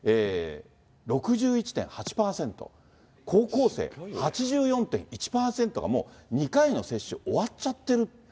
６１．８％、高校生８４．１％がもう２回の接種終わっちゃってるって。